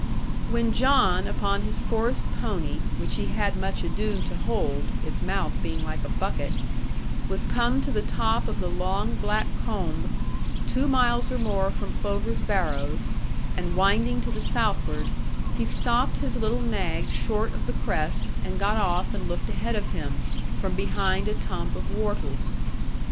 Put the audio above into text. When John, upon his forest pony, which he had much ado to hold (its mouth being like a bucket), was come to the top of the long black combe, two miles or more from Plover's Barrows, and winding to the southward, he stopped his little nag short of the crest, and got off and looked ahead of him, from behind a tump of whortles.